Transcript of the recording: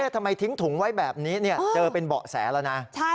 ทำไมทิ้งถุงไว้แบบนี้เจอเป็นเบาะแสแล้วนะ